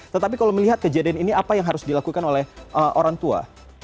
tetapi kalau melihat kejadian ini apa yang harus dilakukan oleh orang tua